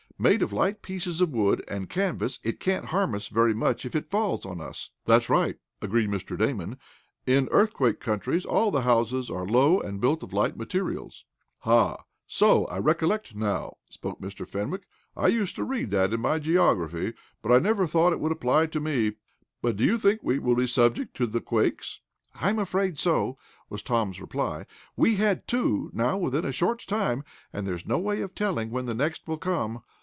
Made of light pieces of wood and canvas it can't harm us very much if it falls on us." "That's right," agreed Mr. Damon. "In earthquake countries all the houses are low, and built of light materials." "Ha! So I recollect now," spoke Mr. Fenwick. "I used to read that in my geography, but I never thought it would apply to me. But do you think we will be subject to the quakes?" "I'm afraid so," was Tom's reply. "We've had two, now, within a short time, and there is no way of telling when the next will come.